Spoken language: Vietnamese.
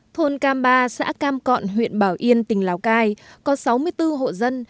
thôn cam ba xã cam cọn huyện bảo yên tỉnh lào cai có sáu mươi bốn hộ dân